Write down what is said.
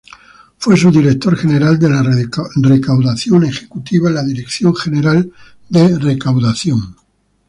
Fue Subdirector General de Recaudación Ejecutiva en la Dirección General de Recaudación.